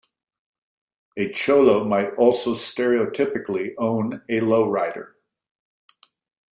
A cholo might also stereotypically own a lowrider.